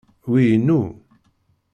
Wi inu.